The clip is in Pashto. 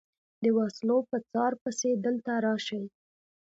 د وسلو په څار پسې دلته راشي.